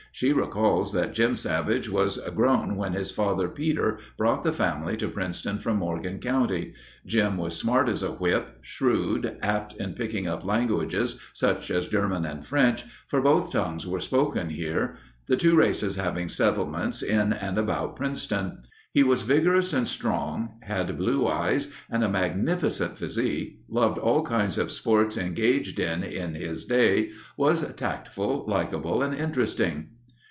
She recalls that Jim Savage was grown when his father, Peter, brought the family to Princeton from Morgan County. Jim was smart as a whip, shrewd, apt in picking up languages, such as German and French—for both tongues were spoken here, the two races having settlements in and about Princeton. He was vigorous and strong, had blue eyes and a magnificent physique, loved all kinds of sports engaged in in his day, was tactful, likable, and interesting....